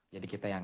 jadi kita yang